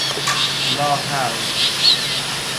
لاحول